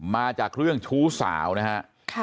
มาจากเรื่องชู้สาวนะฮะ